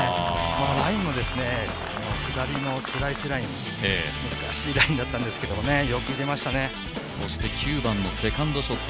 ラインも下りのスライスライン、難しいラインだったんですが、そして９番のセカンドショット